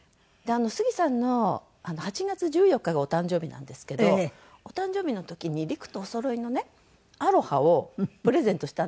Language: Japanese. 杉さんの８月１４日がお誕生日なんですけどお誕生日の時に陸とおそろいのねアロハをプレゼントしたんです。